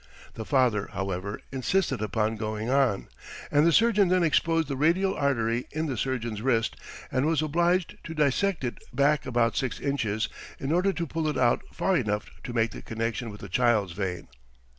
The father, however, insisted upon going on, and the surgeon then exposed the radial artery in the surgeon's wrist, and was obliged to dissect it back about six inches, in order to pull it out far enough to make the connection with the child's vein.